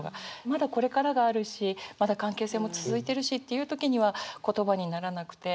まだこれからがあるしまだ関係性も続いてるしっていう時には言葉にならなくて。